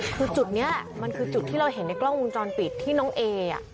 คือจุดนี้มันคือจุดที่เราเห็นในกล้องวงจรปิดที่น้องเอ